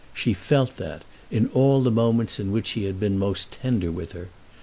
She felt that in all the moments in which he had been most tender with her.